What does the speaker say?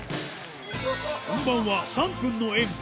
本番は３分の演舞。